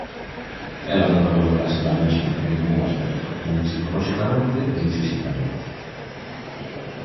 Ela nunca volvera ser a mesma en ningún aspecto; nin psicoloxicamente nin fisicamente.